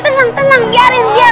tenang tenang biarin biar